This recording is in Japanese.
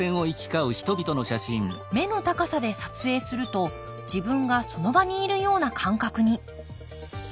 目の高さで撮影すると自分がその場にいるような感覚に。